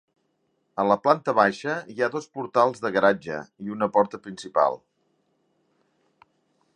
A la planta baixa, hi ha dos portals de garatge i una porta principal.